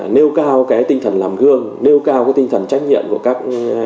nêu cao cái tinh thần làm gương nêu cao cái tinh thần trách nhiệm của các